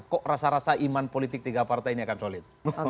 kok rasa rasa iman politik tiga partai ini akan solid